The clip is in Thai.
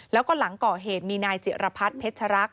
แล้วก็หลังก่อเหตุมีนายจิรพัฒน์เพชรักษ